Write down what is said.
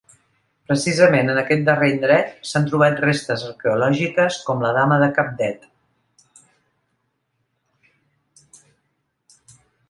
Precisament en aquest darrer indret s'han trobat restes arqueològiques com la Dama de Cabdet.